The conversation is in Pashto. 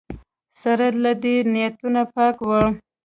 سره له دې نیتونه پاک وو